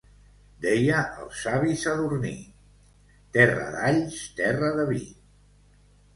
Deia el savi Sadurní: —Terra d'alls, terra de vi.